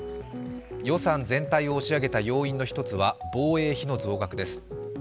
予算全体を押し上げた要因の１つは防衛費の増額です。